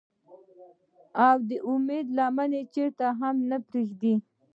او د اميد لمن چرته هم نۀ پريږدي ۔